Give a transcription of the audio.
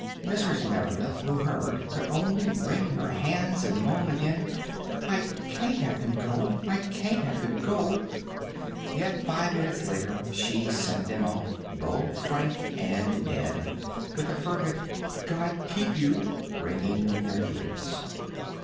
Mrs. Merideth, who heard, could only wring her hands and moan again: "I can't have them go I can't have them go!" Yet five minutes later she sent them off, both Frank and Ned, with a fervid "God keep you" ringing in their ears.